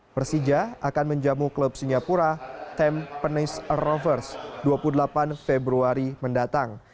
persija akan menjamu klub singapura tempenis rovers dua puluh delapan februari mendatang